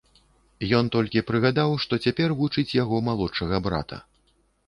Ён толькі прыгадаў, што цяпер вучыць яго малодшага брата.